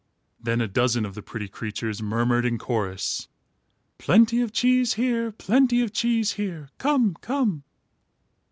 Then a dozen of the pretty creatures murmured in chorus: "Plenty of cheese here. Plenty of cheese here. Come, come!"